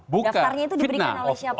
daftarnya itu diberikan oleh siapa